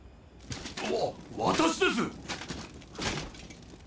わ私です！